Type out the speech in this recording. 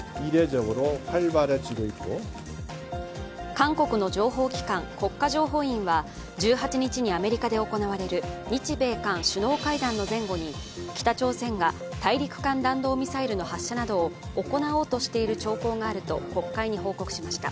韓国の情報機関、国家情報院は１８日にアメリカで行われる日米韓首脳会談の前後に、北朝鮮が大陸間弾道ミサイルの発射などを行おうとしている兆候があると国会に報告しました。